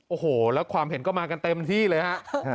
โอ้โหแล้วความเห็นก็มากันเต็มที่เลยฮะ